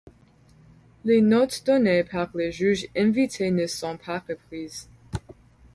Les notes données par les juges invités ne sont pas reprises.